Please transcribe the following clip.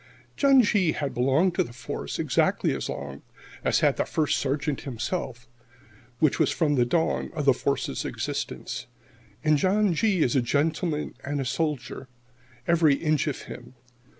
John G. had belonged to the Force exactly as long as had the First Sergeant himself, which was from the dawn of the Force's existence. And John G. is a gentleman and a soldier, every inch of him.